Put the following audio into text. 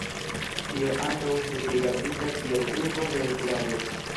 Tio ankaŭ estis rigardita kiel pruvo de kuraĝo.